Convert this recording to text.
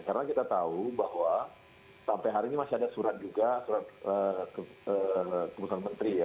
karena kita tahu bahwa sampai hari ini masih ada surat juga surat kebosan menteri ya